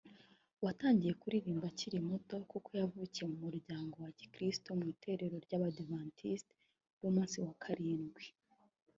watangiye kuririmba akiri muto kuko yavukiye mu muryango wa Gikristo mu itorero ry’abadivantisiti b’umunsi wa karindwi